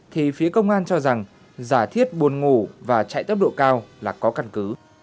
thì phía công an cho rằng giả thiết buồn ngủ và chạy tốc độ cao là có căn cứ